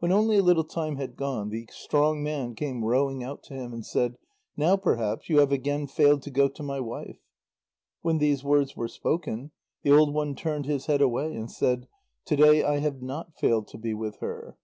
When only a little time had gone, the strong man came rowing out to him and said: "Now perhaps you have again failed to go to my wife?" When these words were spoken, the old one turned his head away, and said: "To day I have not failed to be with her."